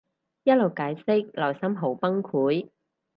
一路解釋內心好崩潰